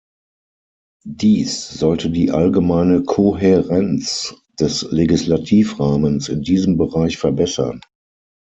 Dies sollte die allgemeine Kohärenz des Legislativrahmens in diesem Bereich verbessern.